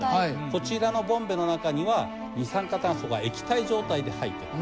こちらのボンベの中には二酸化炭素が液体状態で入っています。